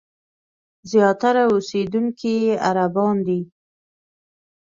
زیاتره اوسېدونکي یې عربان دي.